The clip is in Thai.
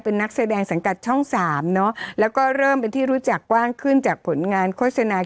เป็นนักแสดงสังกัดช่องสามเนอะแล้วก็เริ่มเป็นที่รู้จักกว้างขึ้นจากผลงานโฆษณา